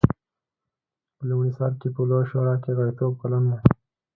په لومړي سر کې په لویه شورا کې غړیتوب کلن و.